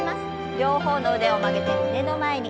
両方の腕を曲げて胸の前に。